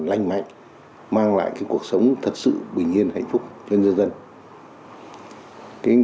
lành mạnh mang lại cuộc sống thật sự bình yên hạnh phúc cho nhân dân